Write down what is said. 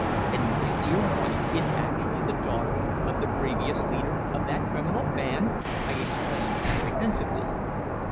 "And my dear wife is actually the daughter of the previous leader of that criminal band!" I exclaimed apprehensively.